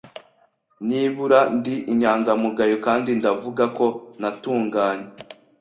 Nibura ndi inyangamugayo kandi ndavuga ko ntatunganye.